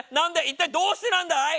一体どうしてなんだい⁉